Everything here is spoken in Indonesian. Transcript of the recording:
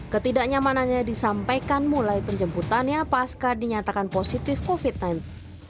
ketidaknyamanannya disampaikan mulai penjemputannya pasca dinyatakan positif covid sembilan belas